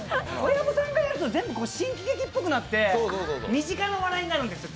小薮さんがやると全部、新喜劇っぽくなって身近な笑いになるんですよ